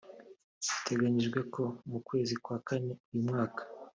Biteganyijwe ko mu kwezi kwa Kane uyu mwaka